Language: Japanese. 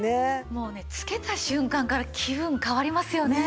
もうね着けた瞬間から気分変わりますよね。